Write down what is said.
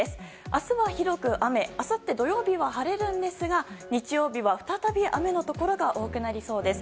明日は広く雨あさって土曜日は晴れるんですが日曜日は再び雨のところが多くなりそうです。